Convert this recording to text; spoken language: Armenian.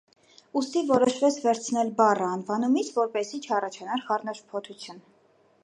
Ուստի որոշվեց վերցնել բառը անվանումից, որպեսզի չառաջանար խառնաշփոթություն։